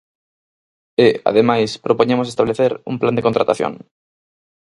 E, ademais, propoñemos establecer un plan de contratación.